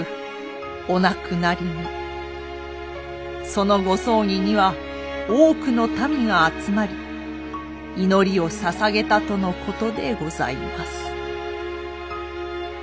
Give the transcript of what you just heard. そのご葬儀には多くの民が集まり祈りをささげたとのことでございます。